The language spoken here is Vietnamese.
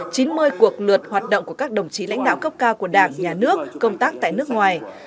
chín mươi cuộc lượt hoạt động của các đồng chí lãnh đạo cấp cao của đảng nhà nước công tác tại nước ngoài